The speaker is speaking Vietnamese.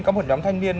có một nhóm thanh niên